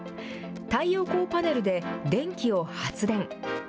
太陽光パネルで電気を発電。